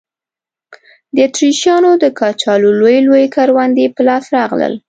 د اتریشیانو د کچالو لوی لوی کروندې په لاس راغلل.